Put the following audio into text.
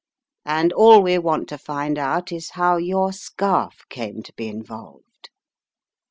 And all we want to find out is how your scarf came to be involved.